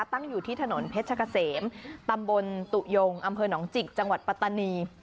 ตั้งอยู่ที่ถนนเพชรกะเสมตำบลตุยงอำเภอหนองจิกจังหวัดปัตตานี